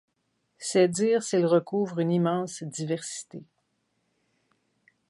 C'est dire s'il recouvre une immense diversité.